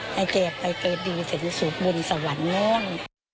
ให้เจ๊ไปเกิดดีสรุปบุญสวรรค์น้อง